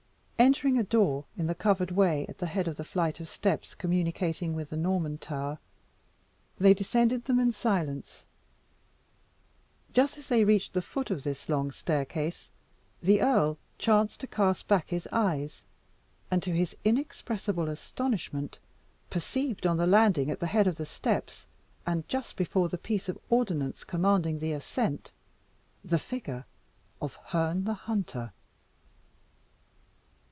Entering a door in the covered way at the head of the flight of steps communicating with the Norman Tower, they descended them in silence. Just as they reached the foot of this long staircase, the earl chanced to cast back his eyes, and, to his inexpressible astonishment, perceived on the landing at the head of the steps, and just before the piece of ordnance commanding the ascent, the figure of Herne the Hunter.